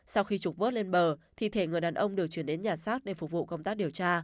sau khi trục vớt lên bờ thì thể người đàn ông được chuyển đến nhà xác để phục vụ công tác điều tra